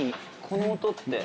この音って。